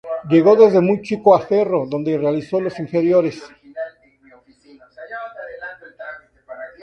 Llegó desde muy chico a Ferro, donde realizó las inferiores.